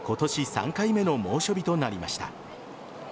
３回目の猛暑日となりました。